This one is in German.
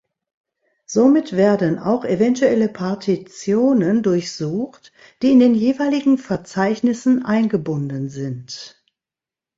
Somit werden auch eventuelle Partitionen durchsucht, die in den jeweiligen Verzeichnissen eingebunden sind.